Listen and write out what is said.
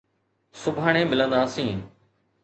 سڀاڻي ملنداسين.